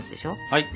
はい！